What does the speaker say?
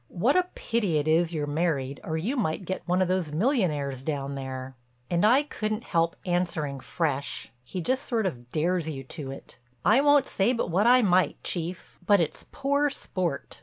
What a pity it is you're married or you might get one of those millionaires down there." And I couldn't help answering fresh—he just sort of dares you to it: "I won't say but what I might, Chief. But it's poor sport.